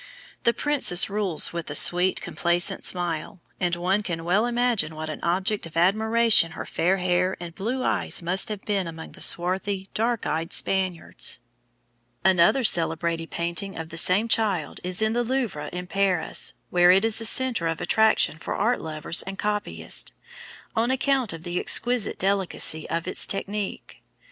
The princess rules with a sweet, complacent smile, and one can well imagine what an object of admiration her fair hair and blue eyes must have been among the swarthy, dark eyed Spaniards. [Illustration: PRINCESS MARGARET. VELASQUEZ.] Another celebrated painting of the same child is in the Louvre at Paris, where it is a centre of attraction for art lovers and copyists, on account of the exquisite delicacy of its technique.